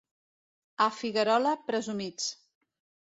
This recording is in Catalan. A Figuerola, presumits.